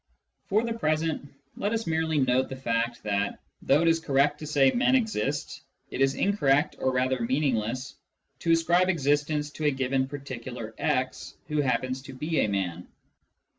For the present let us merely note the fact that, though it is correct to say " men exist," it is incorrect, or rather meaningless, to ascribe existence to a given particular * who happens to be a man.